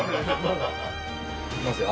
いきますよ。